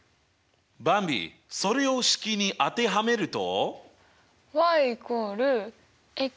ばんびそれを式に当てはめると？